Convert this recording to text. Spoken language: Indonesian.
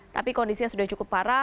tapi kondisinya sudah cukup parah